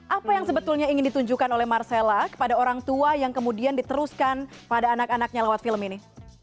apa yang sebetulnya ingin ditunjukkan oleh marcella kepada orang tua yang kemudian diteruskan pada anak anaknya lewat film ini